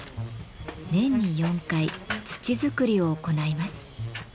年に４回土作りを行います。